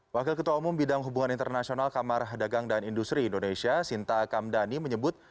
wakil ketua umum bidang hubungan internasional kamar dagang dan industri indonesia sinta kamdani menyebut